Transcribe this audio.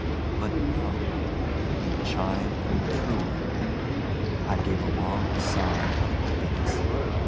But, no. He chimed truly. I gave a long sigh of happiness.